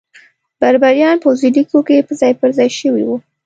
بربریان پوځي لیکو کې ځای پرځای شوي وو.